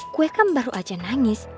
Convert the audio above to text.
kue kan baru aja nangis